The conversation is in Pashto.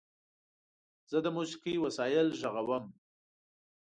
زه د موسیقۍ وسایل غږوم.